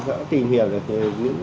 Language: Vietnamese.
sẽ tìm hiểu được những